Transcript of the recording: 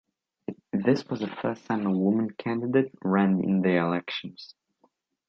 This was the first time a woman candidate ran in the elections.